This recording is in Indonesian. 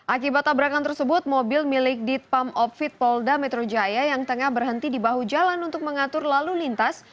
akibat tabrakan tersebut mobil milik ditpam opfit polda metro jaya yang tengah berhenti di bahu jalan untuk mengatur lalu lintas